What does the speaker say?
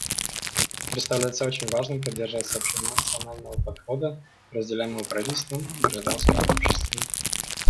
Представляется очень важным придерживаться общенационального подхода, разделяемого правительством и гражданским обществом.